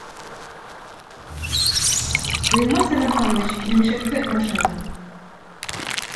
Ғилман Сәмерханович, килмешәкте машина